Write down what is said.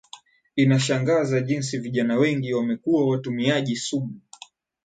inashangaza jinsi vijana wengi wamekuwa watumiaji sugu